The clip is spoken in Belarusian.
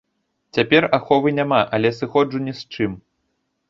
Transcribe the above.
Цяпер аховы няма, але сыходжу ні з чым.